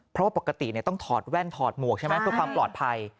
เพราะว่าปกติต้องถอดแว่นถอดหมวกใช่ไหมเพื่อความปลอดภัย